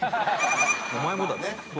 お前もだろ。